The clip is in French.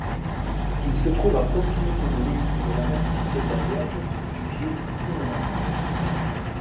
Il se trouve à proximité de l'Église de la Nativité-de-la-Vierge du vieux Simonov.